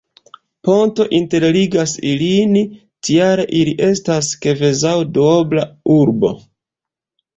Ponto interligas ilin, tial ili estas kvazaŭ Duobla urbo.